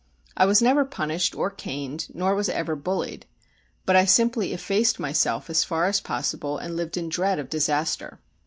I was never punished or caned, nor was I ever bullied. But I simply effaced myself as far as possible, and lived in dread of disaster.